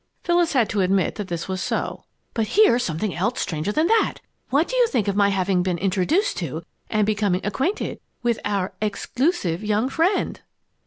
Phyllis had to admit that this was so. "But here's something else stranger than that what do you think of my having been introduced to and becoming acquainted with our 'exclusive young friend'?"